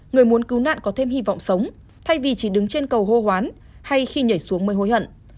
người muốn cứu nạn có thêm hy vọng sống thay vì chỉ đứng trên cầu hô hoán hay khi nhảy xuống mới hối hận